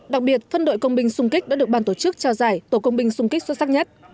đặc biệt phân đội công binh xung kích đã được ban tổ chức trao giải tổ công binh xung kích xuất sắc nhất